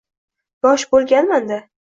Yosh bo`lganman-da